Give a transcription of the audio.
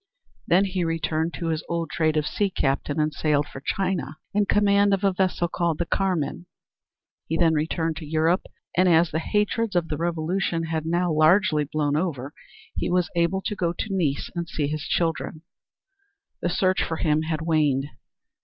Then he returned to his old trade of sea captain and sailed for China in command of a vessel called the Carmen. He then returned to Europe, and as the hatreds of the revolution had now largely blown over he was able to go to Nice and see his children. The search for him had waned.